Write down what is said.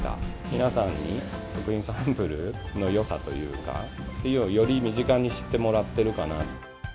皆さんに食品サンプルのよさというか、より身近に知ってもらってるかな。